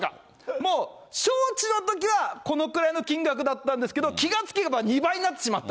もう、招致のときはこのくらいの金額だったんですけど、気が付けば、２倍になってしまった。